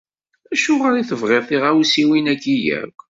Acuɣer i tebɣiḍ tiɣawsiwin-agi yakk?